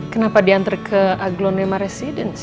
kenapa dianter ke aglo nema residen sih